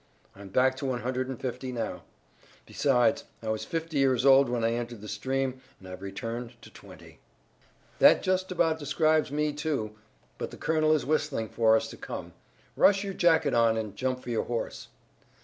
I'm back to one hundred and fifty now. Besides, I was fifty years old when I entered the stream, and I've returned to twenty." "That just about describes me, too, but the colonel is whistling for us to come. Rush your jacket on and jump for your horse."